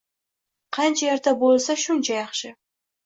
Qancha erta boʻlsa, shuncha yaxshi